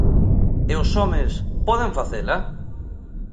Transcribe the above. E os homes, poden facela?